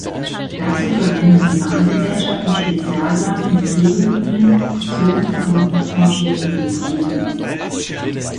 Dazu verwenden die Bahngesellschaften Spezialwagen mit Hebebühnen, gezogen von Rangierlokomotiven.